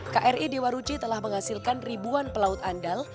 kri dewa ruchi telah menghasilkan ribuan pelaut andal